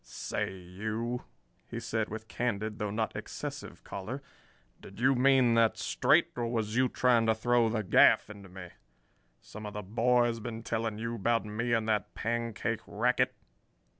"Say, you," he said, with candid, though not excessive, choler, "did you mean that straight, or was you trying to throw the gaff into me? Some of the boys been telling you about me and that pancake racket?"